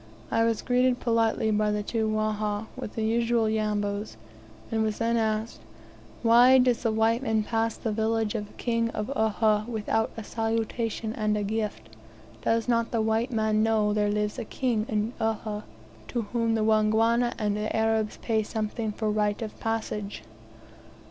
I was greeted politely by the two Wahha with the usual "Yambos," and was then asked, "Why does the white man pass by the village of the King of Uhha without salutation and a gift? Does not the white man know there lives a king in Uhha, to whom the Wangwana and Arabs pay something for right of passage?"